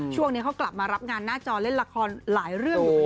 ช่วงนี้เขากลับมารับงานหน้าจอเล่นละครหลายเรื่อง